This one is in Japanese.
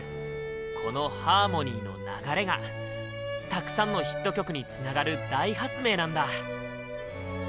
このハーモニーの流れがたくさんのヒット曲につながる大発明なんだ。